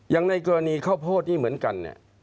อย่างในกรณีข้าวโพดที่เหมือนกันเนี่ย